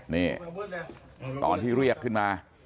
นี่ตอนที่เรียกขึ้นมา